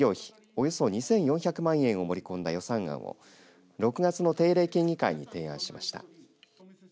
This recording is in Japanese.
およそ２４００万円を盛り込んだ予算案を６月の定例県議会に提案しました。